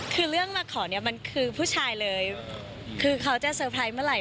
คือเรื่องมาขอเนี่ยมันคือผู้ชายเลยคือเขาจะเซอร์ไพรส์เมื่อไห